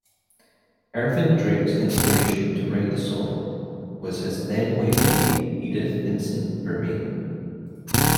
Ervin Drake's inspiration to write the song was his then wife-to-be, Edith Vincent Bermaine.